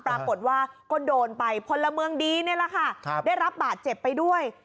ปรากฏว่าก็โดนไปพลเมืองดีนี่แหละค่ะได้รับบาดเจ็บไปด้วย